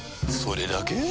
それだけ？